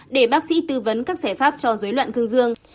để bác sĩ tư vấn các giải pháp cho dối loạn cương dương